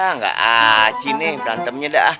nggak aci nih berantemnya dah